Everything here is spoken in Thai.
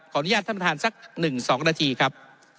ขออนุญาตท่านว่าสัก๑๒นาทีครับ